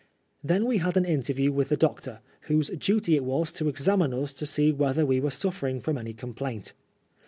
Then we had an interview with the doctor, whose duty it was to examine ns to see whether we were snffering from any complaint.